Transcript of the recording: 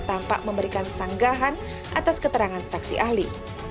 tampak memberikan sanggahan atas keterangan saksi ahli